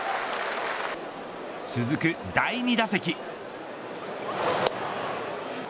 続く第２打席。